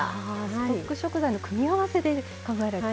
ストック食材の組み合わせで考える。